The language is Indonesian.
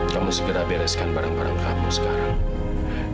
kamu segera bereskan barang barang kamu sekarang